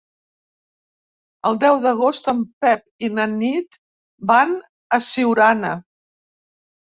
El deu d'agost en Pep i na Nit van a Siurana.